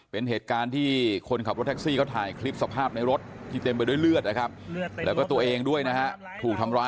เป็นเหตุการณ์ที่คนขับรถแท็กซี่เขาถ่ายคลิปสภาพในรถ